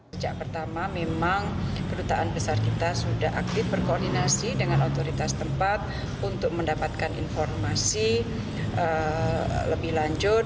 sejak pertama memang kedutaan besar kita sudah aktif berkoordinasi dengan otoritas tempat untuk mendapatkan informasi lebih lanjut